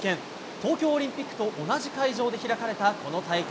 東京オリンピックと同じ会場で開かれた、この大会。